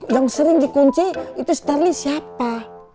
yang sering dikunci itu starly siapa